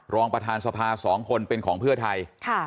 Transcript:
รองประธานสภา๒คนเป็นของเพื่อไทย